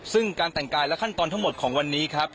ซึ่งการแต่งกายและขั้นตอนทั้งหมดของวันนี้ครับ